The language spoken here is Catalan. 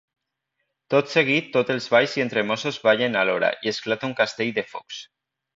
Tot seguit tots els balls i entremesos ballen alhora i esclata un castell de focs.